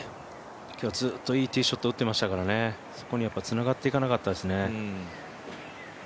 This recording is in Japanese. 今日はずっといいティーショット打ってましたからね、そこにつながっていかなかったですね。